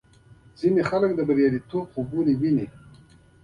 ځینې خلک د بریالیتوب خوبونه ویني.